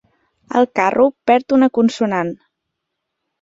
El carro perd una consonant.